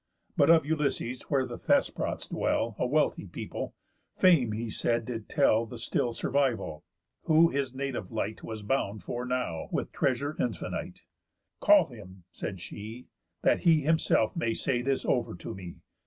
But of Ulysses, where the Thesprots dwell, A wealthy people, Fame, he says, did tell The still survival; who his native light Was bound for now, with treasure infinite." "Call him," said she, "that he himself may say This over to me.